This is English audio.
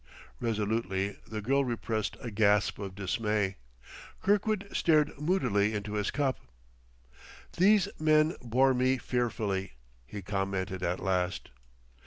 Resolutely the girl repressed a gasp of dismay. Kirkwood stared moodily into his cup. "These men bore me fearfully," he commented at last.